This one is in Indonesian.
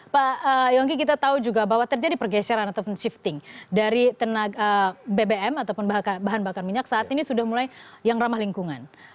pak yonggi kita tahu juga bahwa terjadi pergeseran ataupun shifting dari tenaga bbm ataupun bahan bakar minyak saat ini sudah mulai yang ramah lingkungan